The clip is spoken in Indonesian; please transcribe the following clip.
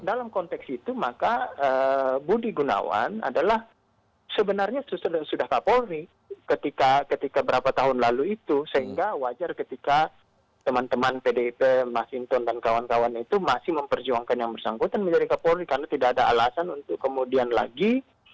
dalam konteks itu maka budi gunawan adalah sebenarnya sudah kapolri ketika berapa tahun lalu itu sehingga wajar ketika teman teman pdip mas inton dan kawan kawan itu masih memperjuangkan yang bersangkutan menjadi kapolri karena tidak ada alasan untuk kemudian lagi